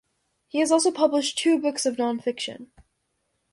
He has also published two books of non-fiction.